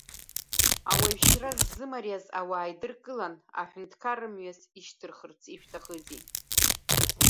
Ауаҩшьра ззымариаз ауаа еидыркылан, аҳәынҭқар мҩас ишьҭырхырц ишәҭахызи?!